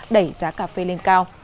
đẩy giá cà phê lên cao